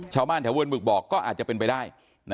ชาวบ้านแถวเวิร์กบอกก็อาจจะเป็นไปได้